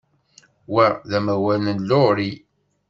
Wa d amawal n Laurie.